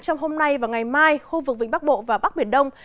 trong hôm nay và ngày mai khu vực vĩnh bắc bộ và bắc biển đông